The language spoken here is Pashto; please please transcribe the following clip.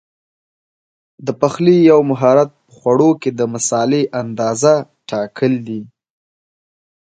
د پخلي یو مهارت په خوړو کې د مسالې اندازه ټاکل دي.